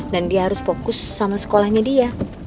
dan dia harus fokus sama sekolahnya dia